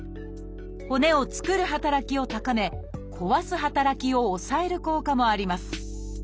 骨を作る働きを高め壊す働きを抑える効果もあります。